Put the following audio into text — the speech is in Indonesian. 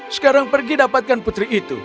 sekarang pergi dapatkan putri itu